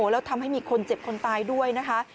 แล้วทำให้มีคนเจ็บคนตายด้วยนะคะ